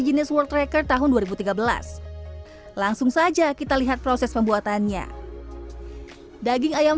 jenis world tracker tahun dua ribu tiga belas langsung saja kita lihat proses pembuatannya daging ayam